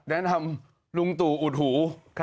แนะนำลุงตู่อุดหู